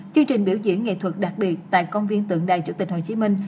chương trình biểu diễn nghệ thuật đặc biệt tại công viên tượng đài chủ tịch hồ chí minh